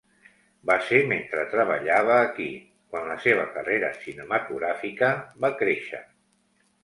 Va ser mentre treballava aquí, quan la seva carrera cinematogràfica va créixer .